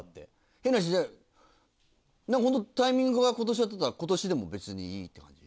変な話じゃあホントタイミングが今年だったら今年でも別にいいって感じ？